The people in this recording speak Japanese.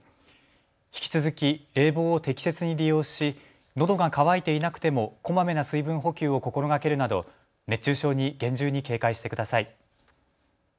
引き続き冷房を適切に利用しのどが渇いていなくてもこまめな水分補給を心がけるなど熱中症に厳重に警戒してください。